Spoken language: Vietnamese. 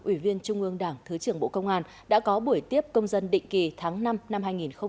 ủy viên trung ương đảng thứ trưởng bộ công an đã có buổi tiếp công dân định kỳ tháng năm năm hai nghìn hai mươi bốn